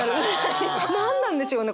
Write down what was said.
何なんでしょうね？